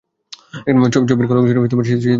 ছবির কলা-কুশলীরা সেদিন উপস্থিত ছিলেন।